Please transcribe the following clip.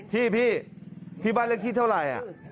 พี่พี่บ้านเลขที่เท่าไหร่